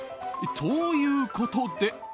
ということで。